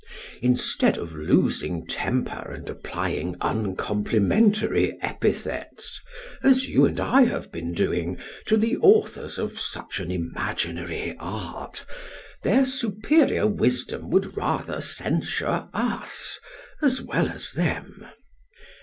Instead of losing temper and applying uncomplimentary epithets, as you and I have been doing, to the authors of such an imaginary art, their superior wisdom would rather censure us, as well as them.